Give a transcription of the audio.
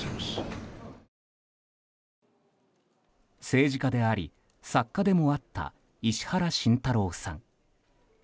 政治家であり作家でもあった石原慎太郎さん。